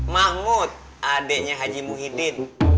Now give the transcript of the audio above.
mahmud adeknya haji muhyiddin